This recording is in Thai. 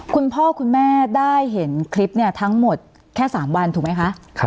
คุณพ่อคุณแม่ได้เห็นคลิปทั้งหมดแค่๓วันถูกไหมคะ